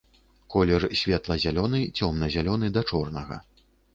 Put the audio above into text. Колер светла-зялёны, цёмна-зялёны да чорнага.